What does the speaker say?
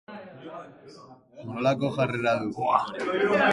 Nolako jarrera du?